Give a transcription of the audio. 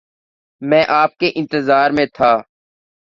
میں آپ کے انتظار میں تھا